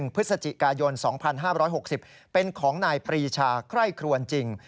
พฤศจิกายน๒๕๖๐เป็นของนายปรีชาไคร่ครวนจริง